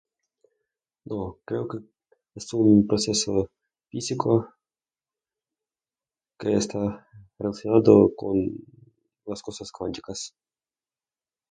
No. Creo que es un proceso físico que está relacionado con las cosas cuánticas.